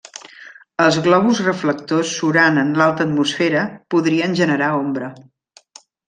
Els globus reflectors surant en l'alta atmosfera podrien generar ombra.